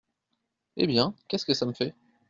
Eh bien, qu’est-ce que ça me fait ?